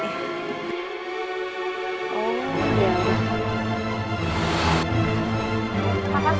terima kasih pak joko